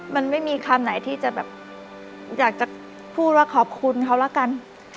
มันไม่มีคำไหนที่จะแบบอยากจะพูดว่าขอบคุณเขาแล้วกัน